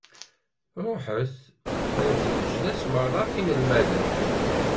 Ṛuḥet, rret leǧnas meṛṛa d inelmaden.